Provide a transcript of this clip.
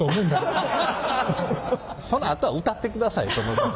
そのあとは歌ってください。